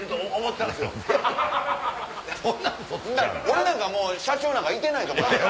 俺なんかもう社長なんかいてないと思ってた。